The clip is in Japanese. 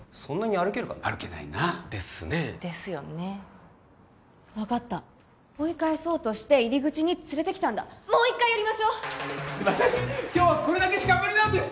歩けないなですねえですよね分かった追い返そうとして入り口に連れてきたんだもう一回やりましょうすいません今日はこれだけしか無理なんです